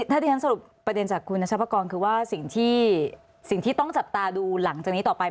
ถ้าที่ฉันสรุปประเด็นจากคุณนัชพกรคือว่าสิ่งที่สิ่งที่ต้องจับตาดูหลังจากนี้ต่อไป